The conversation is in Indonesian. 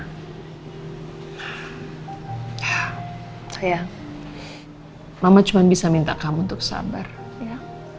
sayang mama cuma bisa minta kamu untuk sabar ya